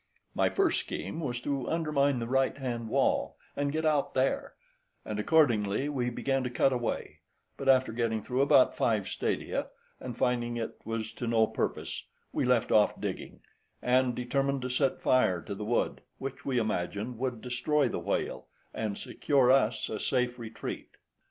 My first scheme was to undermine the right hand wall and get out there; and accordingly we began to cut away, but after getting through about five stadia, and finding it was to no purpose, we left off digging, and determined to set fire to the wood, which we imagined would destroy the whale, and secure us a safe retreat.